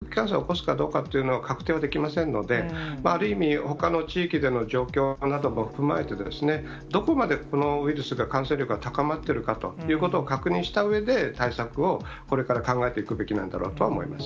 ただ、１つの事例だけで、本当に空気感染を起こすかどうかというのは確定はできませんので、ある意味、ほかの地域での状況なども踏まえてですね、どこまでこのウイルスが感染力が高まっているかということを確認したうえで、対策をこれから考えていくべきなんだろうと思います。